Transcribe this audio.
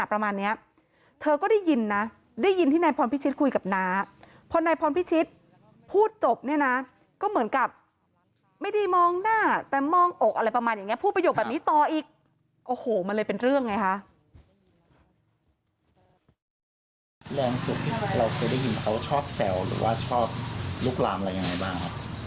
เราเคยได้ยินเขาชอบแซวหรือว่าชอบลูกลามอะไรยังไงบ้าง